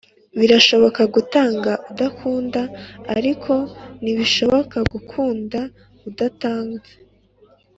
birashoboka gutanga udakunda ariko ntibishoboka gukunda udatanze